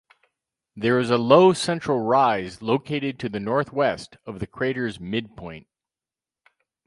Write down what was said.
There is a low central rise located to the northwest of the crater's midpoint.